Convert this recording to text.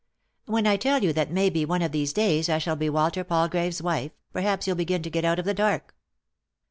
" When I tell you that maybe one of these days I shall be Walter Palgrave's wife, perhaps you'll begin to get out of the dark."